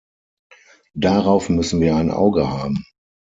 Darauf müssen wir ein Auge haben.